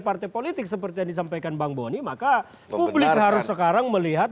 partai politik seperti yang disampaikan bang boni maka publik harus sekarang melihat